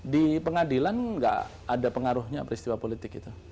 di pengadilan nggak ada pengaruhnya peristiwa politik itu